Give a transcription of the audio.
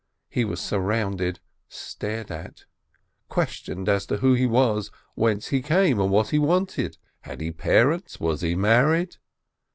He was surrounded, stared at, questioned as to who he was, whence he came, what he wanted. Had he parents ? Was he married